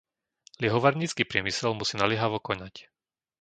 Liehovarnícky priemysel musí naliehavo konať.